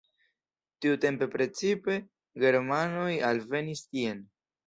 Tiutempe precipe germanoj alvenis tien.